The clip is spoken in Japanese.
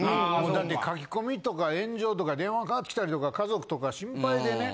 だって書き込みとか炎上とか電話かかってきたりとか家族とか心配でね。